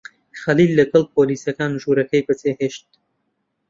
خەلیل لەگەڵ پۆلیسەکان ژوورەکەی بەجێهێشت.